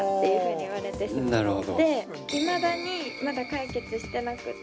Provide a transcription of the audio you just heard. で、いまだにまだ解決してなくって。